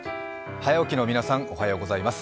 早起きの皆さん、おはようございます。